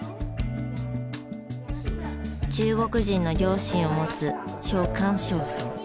中国人の両親を持つ肖漢璋さん。